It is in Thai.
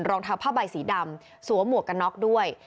รองเท้าผ้าใบสีดำสวมหมวกกันน็อกด้วย